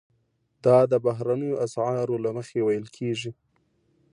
دا د بهرنیو اسعارو له مخې ویل کیږي.